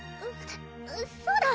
そうだ！